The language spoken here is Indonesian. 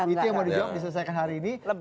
itu yang mau dijawab diselesaikan hari ini